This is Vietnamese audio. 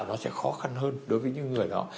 nó sẽ khó khăn hơn đối với những người đó